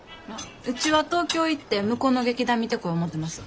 ウチは東京行って向こうの劇団見てこよう思うてます。